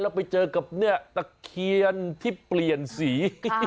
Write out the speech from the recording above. แล้วไปเจอกับเนี่ยตะเคียนที่เปลี่ยนสี